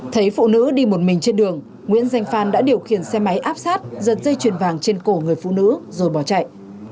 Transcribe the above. thấy phụ nữ đi một mình trên đường nguyễn danh phan đã điều khiển xe máy áp sát giật dây chuyền vàng trên cổ người phụ nữ rồi bỏ chạy